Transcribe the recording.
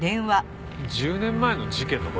１０年前の事件の事？